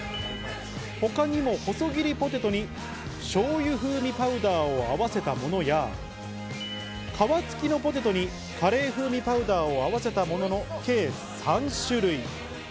他にも細切りポテトにしょうゆ風味パウダーを合わせたものや、皮付きのポテトにカレー風味パウダーを合わせたものの計３種類。